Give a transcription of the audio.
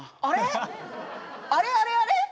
あれあれ？